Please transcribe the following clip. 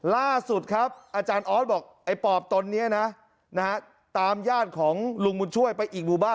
ล่าสุดครับอาจารย์ออสบอกไอ้ปอบตนนี้นะตามญาติของลุงบุญช่วยไปอีกหมู่บ้าน